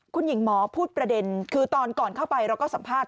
คุณหญิงหมอพูดประเด็นคือตอนก่อนเข้าไปเราก็สัมภาษณ